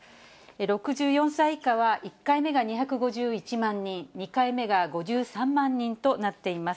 ６４歳以下は、１回目が２５１万人、２回目が５３万人となっています。